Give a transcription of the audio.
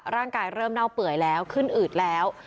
ร่างกายเริ่มเน่าเปื่อยแล้วขึ้นอืดแล้ว